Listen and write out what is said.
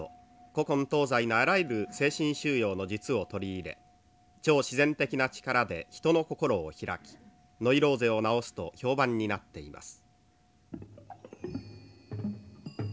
古今東西のあらゆる精神修養の術を取り入れ超自然的な力で人の心を開きノイローゼを治すと評判になっています」。